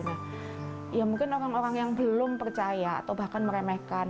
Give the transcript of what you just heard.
ya mungkin orang orang yang belum percaya atau bahkan meremehkan